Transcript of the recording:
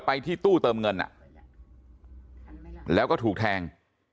ไปที่ตู้เติมเงินแล้วก็ถูกแทง